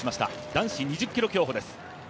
男子２０ｋｍ競歩です。